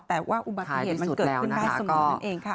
แต่ว่าอุบัติเหตุมันเกิดขึ้นได้เสมอนั่นเองค่ะ